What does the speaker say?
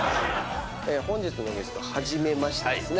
本日のゲスト初めましてですね。